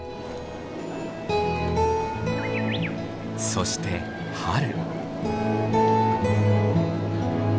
そして春。